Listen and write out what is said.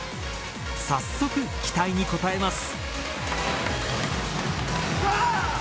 早速、期待に応えます。